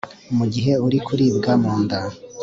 mugihe uri kuribwa munda